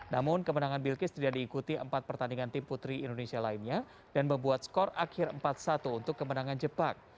namun kemenangan bilkis tidak diikuti empat pertandingan tim putri indonesia lainnya dan membuat skor akhir empat satu untuk kemenangan jepang